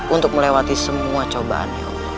untuk melewati semua cobaan